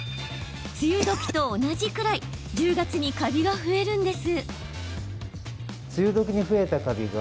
梅雨時と同じくらい１０月にカビが増えるんです。